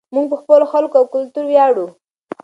موږ په خپلو خلکو او کلتور ویاړو.